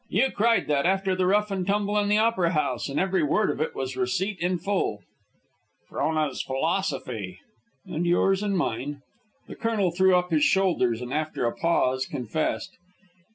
You cried that after the rough and tumble in the Opera House, and every word of it was receipt in full." "Frona's philosophy." "And yours and mine." The colonel threw up his shoulders, and after a pause confessed.